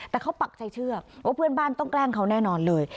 แต่เขาปักใจเชื่อว่าเพื่อนบ้านต้องแกล้งเขาแน่นอนเลย